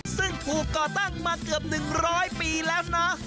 ซึ่งถูกก่อตั้งมาเกือบหนึ่งร้อยปีแล้วนะ